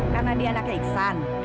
karena dia anaknya iksan